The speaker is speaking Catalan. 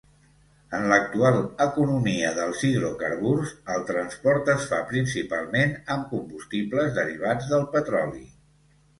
En l'actual economia dels hidrocarburs, el transport es fa principalment amb combustibles derivats del petroli.